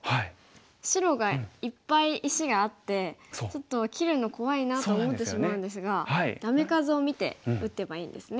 白がいっぱい石があってちょっと切るの怖いなって思ってしまうんですがダメ数を見て打てばいいんですね。